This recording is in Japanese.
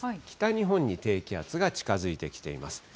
北日本に低気圧が近づいてきています。